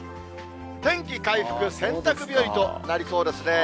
天気回復、洗濯日和となりそうですね。